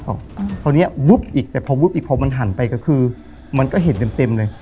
ตอนนี้วุบอีกแต่พอวุบอีกพอมันหันไปก็คือมันก็เห็นเต็มเลย